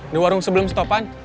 di warung sebelum stopan